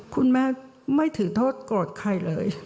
คุณแม่ไม่ถือโทษโกรธใครเลย